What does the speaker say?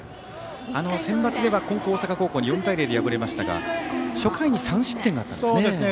センバツでは金光大阪高校に敗れましたが初回に３失点があったんですね。